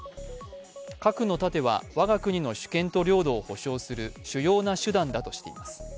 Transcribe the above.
核の盾は我が国の主権と領土を保証する主要な手段だとしています。